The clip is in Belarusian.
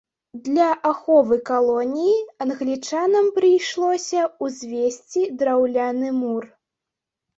Для аховы калоніі англічанам прыйшлося ўзвесці драўляны мур.